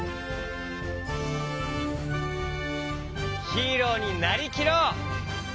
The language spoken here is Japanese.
ヒーローになりきろう！